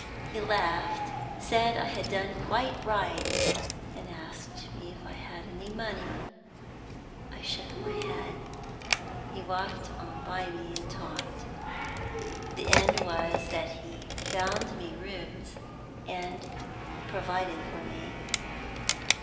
He laughed, said I had done quite right, and asked me if I had any money. I shook my head. He walked on by me, and talked. The end was, that he found me rooms, and provided for me.